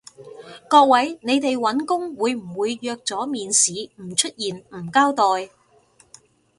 各位，你哋搵工會唔會約咗面試唔出現唔交代？